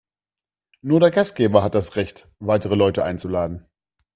Nur der Gastgeber hat das Recht, weitere Leute einzuladen.